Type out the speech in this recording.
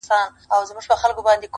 ویل خدایه څه ښکرونه لرم ښکلي -